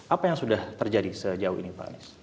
apa yang sudah terjadi sejauh ini pak anies